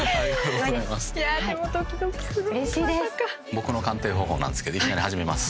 僕の鑑定方法ですけどいきなり始めます。